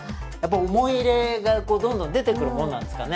思い入れがこうどんどん出てくるもんなんですかね？